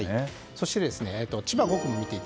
そして、千葉５区です。